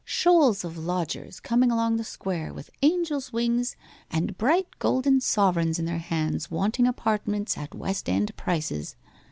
Shoals of lodgers coming along the square with angels' wings and bright golden sovereigns in their hands wanting apartments at West End prices.